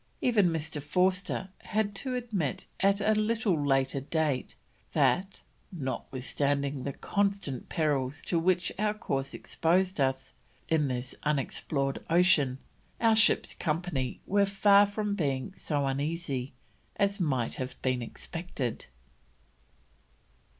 Even Mr. Forster had to admit at a little later date, that: "notwithstanding the constant perils to which our course exposed us, in this unexplored ocean, our ship's company were far from being so uneasy as might have been expected."